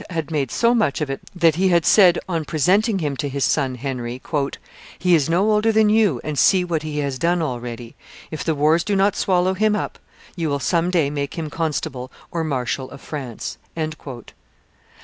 had made so much of it that he had said, on presenting him to his son Henry, "He is no older than you, and see what he has done already; if the wars do not swallow him up, you will some day make him constable or marshal of France."